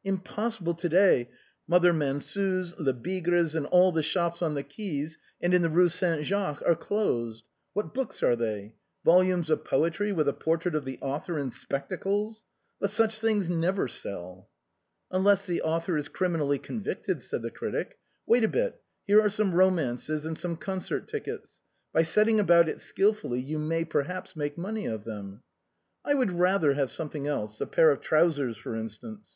" Impossible to day. Mother Mansut's, Lebigre's and all the shops on the quays and in the Eue Saint Jacques are closed. What books are they? Volumes of poetry with a portrait of the author in spectacles? But such things never sell." THE COST OF A FIVE FRANC PIECE. 99 "Unless the author is criminally convicted," said the critic. " Wait a bit, here are some romances and some con cert tickets. By setting about it skilfully you may, per haps, make money of them." " I would rather have something else, a pair of trousers, for instance."